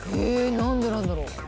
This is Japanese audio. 何でなんだろう？